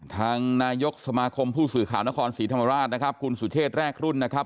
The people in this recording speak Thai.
ทางนายกสมาคมผู้สื่อข่าวนครศรีธรรมราชนะครับคุณสุเทพแรกรุ่นนะครับ